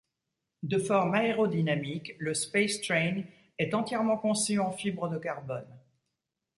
De forme aérodynamique, le Spacetrain est entièrement conçu en fibre de carbone.